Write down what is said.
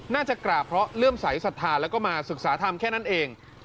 น่าจะกราบเพราะเลื่อมใสสัทธาแล้วก็มาศึกษาธรรมแค่นั้นเอง